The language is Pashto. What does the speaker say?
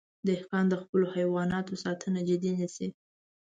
دهقان د خپلو حیواناتو ساتنه جدي نیسي.